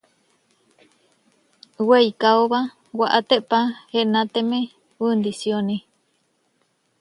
Weikaaóba waʼátepa enáteme Undisióni.